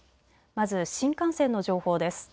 まず新幹線の情報です。